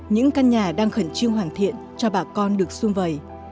những căn nhà đang khẩn trương hoàn thiện cho bà con được xuân vầy